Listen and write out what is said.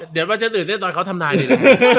เดี๋ยวว่าจะตื่นเต้นตอนเขาทำนายนี่แหละ